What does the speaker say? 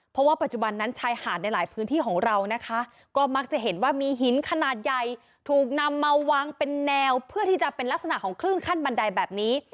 เพราะว่าปัจจุบันนั้นชายหาดในหลายพื้นที่ของเรานะคะก็มักจะเห็นว่ามีหินขนาดใหญ่ถูกนำมาวางเป็นแนวเพื่อที่จะเป็นลักษณะของคลื่นขั้นบันไดแบบนี้